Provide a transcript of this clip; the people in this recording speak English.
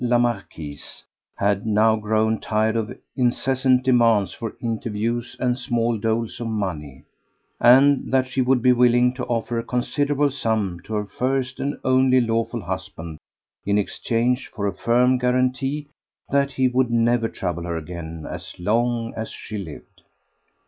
la Marquise had now grown tired of incessant demands for interviews and small doles of money, and that she would be willing to offer a considerable sum to her first and only lawful husband in exchange for a firm guarantee that he would never trouble her again as long as she lived.